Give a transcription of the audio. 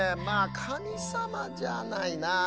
まあかみさまじゃないな。